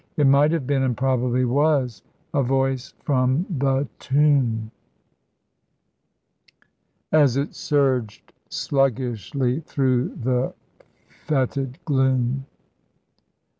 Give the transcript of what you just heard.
It might have been, and probably was, a voice from the tomb, as it surged sluggishly through the fetid gloom.